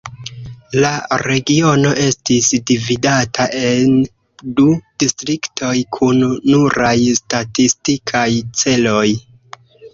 La regiono estis dividata en du distriktoj kun nuraj statistikaj celoj.